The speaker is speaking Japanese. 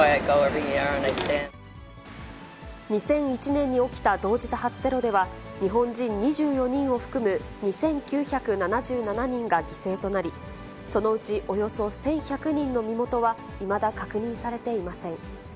２００１年に起きた同時多発テロでは、日本人２４人を含む、２９７７人が犠牲となり、そのうちおよそ１１００人の身元はいまだ確認されていません。